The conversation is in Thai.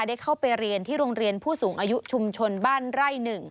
ได้เข้าไปเรียนที่โรงเรียนผู้สูงอายุชุมชนบ้านไร่๑